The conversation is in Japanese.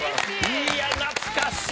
いや懐かしい！